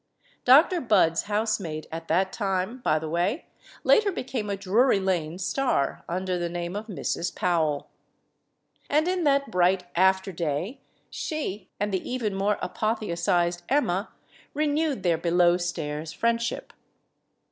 Doctor Budd's housemaid at that time, by the way, later became a Drury Lane star, under the name of "Mrs. Powell." And in that bright afterday she 252 STORIES OF THE SUPER WOMEN and the even more apotheosized Emma renewed their below stairs friendship.